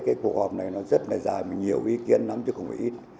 cái cuộc họp này nó rất là dài mà nhiều ý kiến lắm chứ không phải ít